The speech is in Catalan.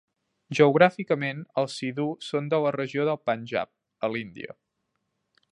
Geogràficament, els Sidhu són de la regió del Panjab, a l'Índia.